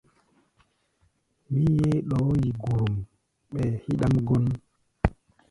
Mí yeé ɗɔɔ́ yi gurum ɓɛɛ híɗʼám gɔ́n.